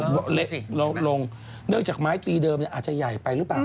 เละลดลงเนื่องจากไม้ตีเดิมอาจจะใหญ่ไปหรือเปล่า